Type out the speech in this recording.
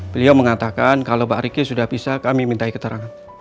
beliau mengatakan kalau pak riki sudah bisa kami minta keterangan